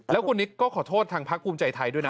แล้วคุณนิกก็ขอโทษทางพักภูมิใจไทยด้วยนะ